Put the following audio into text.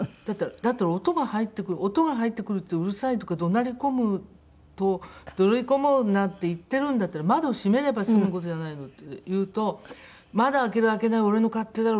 だって音が入ってくる音が入ってくると「うるさい！」とか怒鳴り込むと怒鳴り込もうなんて言ってるんだったら窓を閉めれば済む事じゃないのって言うと「窓を開ける開けないは俺の勝手だろ。